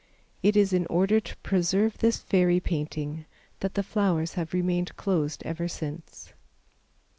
It is in order to preserve this fairy painting that the flowers have remained closed ever since.